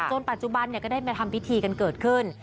ปัจจุบันก็ได้มาทำพิธีกันเกิดขึ้น